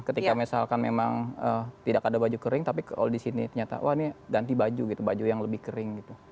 ketika misalkan memang tidak ada baju kering tapi kalau di sini ternyata wah ini ganti baju gitu baju yang lebih kering gitu